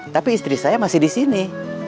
tapi istri saya masih di sini